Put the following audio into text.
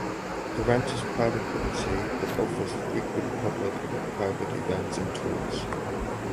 The ranch is private property but offers frequent public and private events and tours.